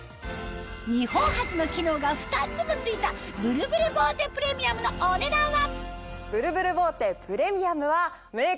日本初の機能が２つも付いたブルブルボーテプレミアムのお値段は？